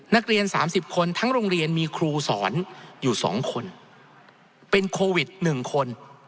นักเรียน๓๐คนทั้งโรงเรียนมีครูสอนอยู่๒คนเป็นโควิด๑คน